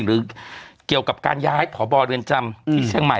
หรือเกี่ยวกับการย้ายพบเรือนจำที่เชียงใหม่